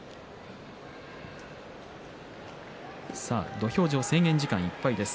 土俵上制限時間いっぱいです。